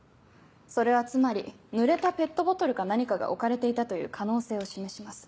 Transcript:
それはつまりぬれたペットボトルか何かが置かれていたという可能性を示します。